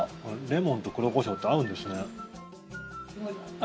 レモンと黒コショウって合うんですね。